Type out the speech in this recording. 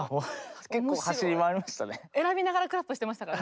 結構走り回りましたね。